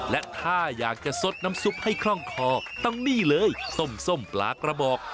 และถ้าอยากจะซดน้ำซุปให้คล่องคอต้องนี่เลยส้มปลากระบอก